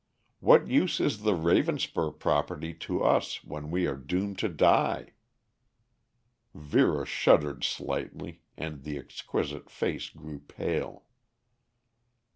What use is the Ravenspur property to us when we are doomed to die?" Vera shuddered slightly and the exquisite face grew pale.